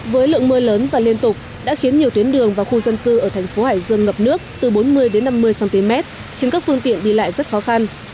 với lượng mưa lớn và liên tục đã khiến nhiều tuyến đường và khu dân cư ở thành phố hải dương ngập nước từ bốn mươi năm mươi cm khiến các phương tiện đi lại rất khó khăn